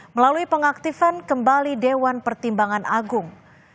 melalui pengaktifan kembali dewan pertimbangan agung